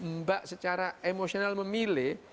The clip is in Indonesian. mbak secara emosional memilih